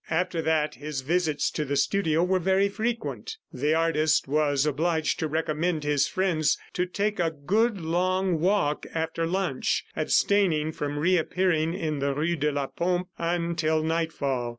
After that, his visits to the studio were very frequent. The artist was obliged to recommend his friends to take a good long walk after lunch, abstaining from reappearing in the rue de la Pompe until nightfall.